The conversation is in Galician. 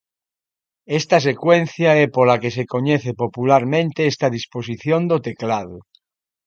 Esta secuencia é pola que se coñece popularmente esta disposición do teclado.